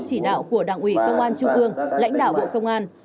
chỉ đạo của đảng ủy công an trung ương lãnh đạo bộ công an